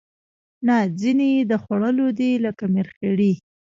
نه ځینې یې د خوړلو دي لکه مرخیړي